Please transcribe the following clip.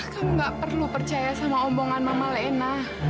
kamu gak perlu percaya sama omongan mama lena